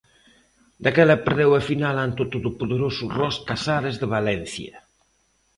Daquela perdeu a final ante o todopoderoso Ros Casares de Valencia.